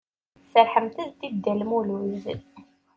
Serrḥemt-as-d i Dda Lmulud.